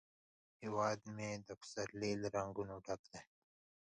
هیواد مې د پسرلي له رنګونو ډک دی